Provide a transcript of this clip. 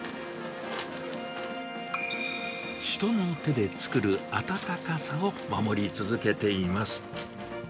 人の手で作る温かさを守り続けています。